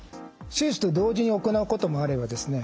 手術と同時に行うこともあればですね